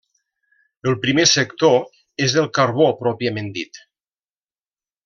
El primer sector és es Carbó pròpiament dit.